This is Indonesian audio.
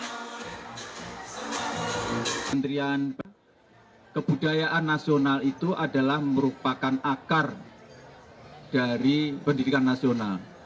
kementerian kebudayaan nasional itu adalah merupakan akar dari pendidikan nasional